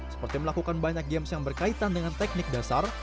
seperti melakukan banyak games yang berkaitan dengan teknik dasar